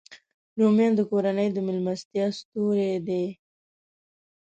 رومیان د کورنۍ د میلمستیا ستوری دی